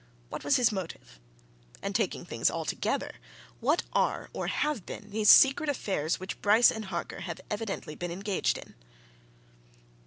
What was his motive? And taking things altogether; what are, or have been, these secret affairs which Bryce and Harker have evidently been engaged in?"